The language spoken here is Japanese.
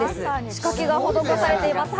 仕掛けが施されています。